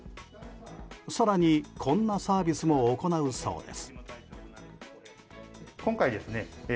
更に、こんなサービスも行うそうです。